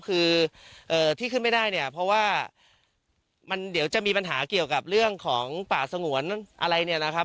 คือที่ขึ้นไม่ได้เนี่ยเพราะว่ามันเดี๋ยวจะมีปัญหาเกี่ยวกับเรื่องของป่าสงวนอะไรเนี่ยนะครับ